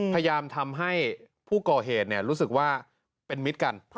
พยายามทำให้ผู้ก่อเหตุรู้สึกว่าเป็นมิตรกัน